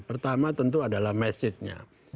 pertama tentu adalah message nya